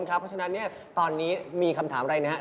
เพราะฉะนั้นตอนนี้มีคำถามอะไรนะครับ